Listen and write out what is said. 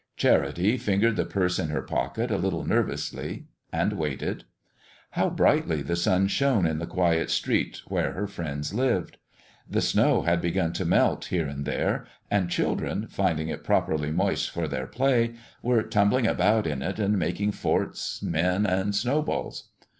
Charity fingered the purse in her pocket a little nervously, and waited. How brightly the sun shone in the quiet street where her friends lived! The snow had begun to melt here and there, and children, finding it properly moist for their play, were tumbling about in it and making forts, men, and snowballs.